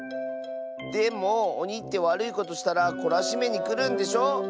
でもおにってわるいことしたらこらしめにくるんでしょ？